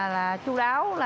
là chú đáo là